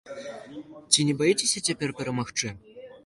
Ці не баіцеся цяпер перамагчы?